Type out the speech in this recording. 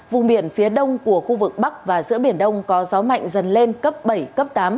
vùng biển phía đông của khu vực bắc và giữa biển đông có gió mạnh dần lên cấp bảy cấp tám